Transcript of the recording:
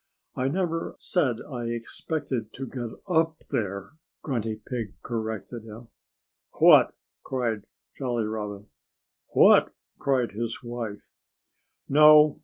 "I never said I expected to get up there," Grunty Pig corrected him. "What?" cried Jolly Robin. "What?" cried his wife. "No!"